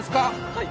はい。